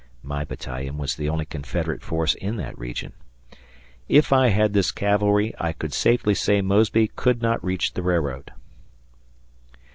[My battalion was the only Confederate force in that region.] If I had this cavalry I could safely say Mosby could not reach the railroad.